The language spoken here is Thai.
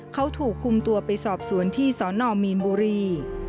เขาถูกคุมตัวไปสอบสวนที่สนมีนบุรี